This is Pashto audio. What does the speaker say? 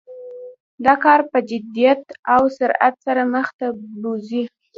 دا کار په جدیت او سرعت سره مخ ته بوزي.